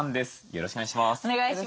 よろしくお願いします。